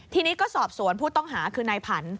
ทีนี้ก็สอบสวนผู้ต้องหาคือนายผัน